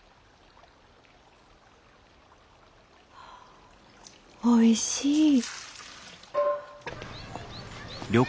あおいしい。